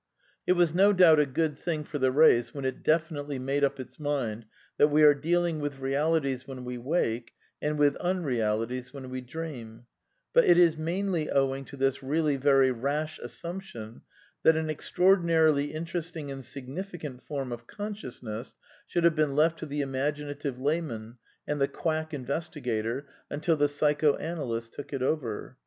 It was no doubt a good thing for the race when it defi nitely made up its mind that we are dealing with realities when we wake and with unrealities when we dream ; but it is mainly owing to this really very rash assumption that an extraordinarily interesting and significant form of con sciousness should have been left to the imaginative layman and the quack investigator until the psychoanalysts took it over.